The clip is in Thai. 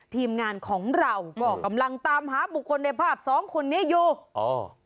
ทีมงานของเราก็กำลังตามหาบุคคลในภาพสองคนนี้อยู่อ๋อ